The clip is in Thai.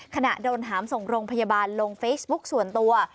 ขณะโดนหามส่งโรงพยาบาลลงเฟซบุ๊กส่วนตัว